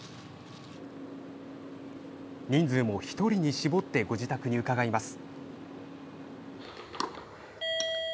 人数も１人に絞ってご自宅に伺います。